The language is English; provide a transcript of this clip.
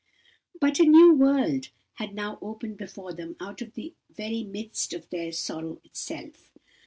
"But a new world had now opened before them out of the very midst of their sorrow itself.